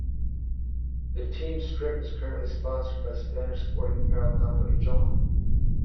The team strip is currently sponsored by Spanish sporting apparel company Joma.